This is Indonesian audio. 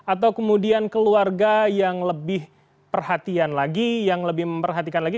atau kemudian keluarga yang lebih perhatian lagi yang lebih memperhatikan lagi